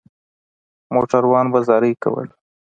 موټروان به زارۍ کولې.